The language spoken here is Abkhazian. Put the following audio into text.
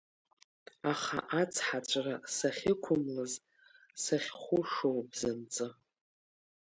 Аха ацҳаҵәры сахьықәымлаз сахьхәышоу бзанҵы?